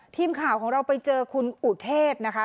ทีมข่าวของเราไปเจอคุณอุเทศนะคะ